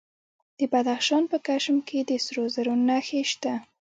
د بدخشان په کشم کې د سرو زرو نښې شته.